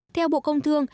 theo bộ công thương